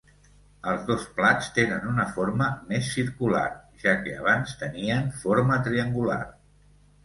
Els dos plats tenen una forma més circular, ja que abans tenien forma triangular.